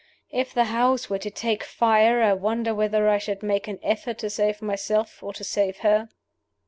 If the house were to take fire, I wonder whether I should make an effort to save myself or to save her?"